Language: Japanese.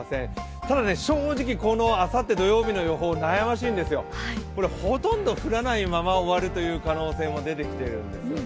ただ、正直、このあさって土曜日の予報、悩ましいんですよほとんど降らないまま終わるという可能性が出てきてるんですね。